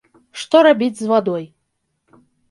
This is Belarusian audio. Што рабіць з вадой.